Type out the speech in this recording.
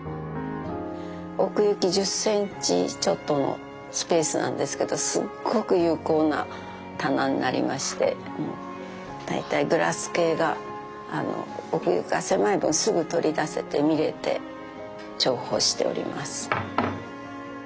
奥行き１０センチちょっとのスペースなんですけどすっごく有効な棚になりまして大体グラス系が奥行きが狭い分すぐ取り出せて見れて重宝しております。